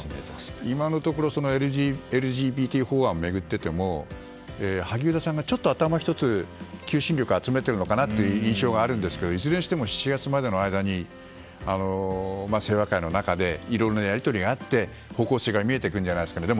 今のところＬＧＢＴ法案を巡ってても萩生田さんがちょっと頭一つ求心力を集めているのかなという印象があるんですけどいずれにしても７月までの間に清和会の中でいろいろなやり取りがあって方向性が見えてくるんじゃないですかね。